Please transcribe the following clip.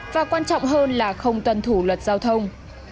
và quan trọng hơn là không tuân thủ luật giao thông